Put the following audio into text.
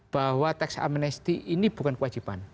bahwa teks amnesti ini bukan kewajiban